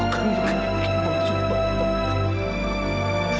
kamu tidak bisa melintasi bapak